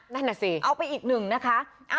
นั่นน่ะสิเอาไปอีกหนึ่งนะคะ